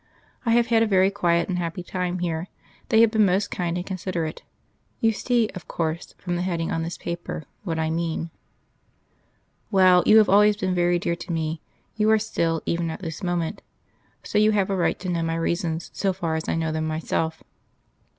I have had a very quiet and happy time here; they have been most kind and considerate. You see, of course, from the heading on this paper, what I mean.... "Well, you have always been very dear to me; you are still, even at this moment. So you have a right to know my reasons so far as I know them myself.